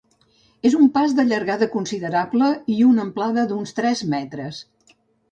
És un pas de llargada considerable i una amplada d'uns tres metres.